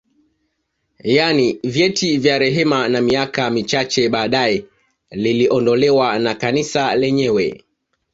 Yaani vyeti vya rehema na miaka michache baadae liliondolewa na Kanisa lenyewe